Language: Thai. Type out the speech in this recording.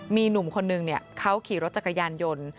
มีหนุ่มคนนึงเขาขี่รถจักรยานยนต์